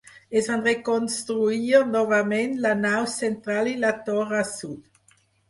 Es van reconstruir novament la nau central i la torre sud.